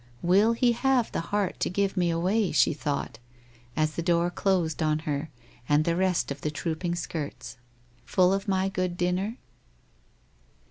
1 Will he have the heart to give me away? ' she thought, as the door closed on her and the rest of the trooping skirts. ' Full of my good dinner